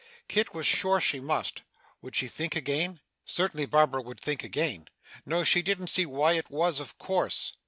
Kit was sure she must. Would she think again? Certainly, Barbara would think again. No, she didn't see why it was of course.